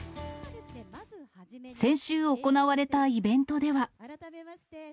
先週行われたイベントでは。